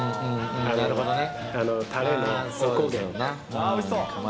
なるほどね。